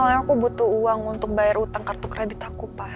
soalnya aku butuh uang untuk bayar utang kartu kredit aku pak